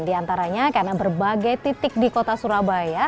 di antaranya karena berbagai titik di kota surabaya